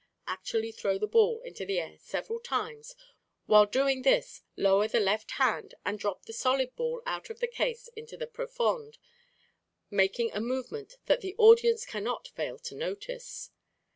Actually throw the ball into the air several times, and while doing this lower the left hand and drop the solid ball out of the case into the profonde, making a movement that the audience cannot fail to notice.